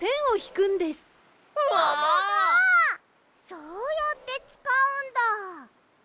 そうやってつかうんだ。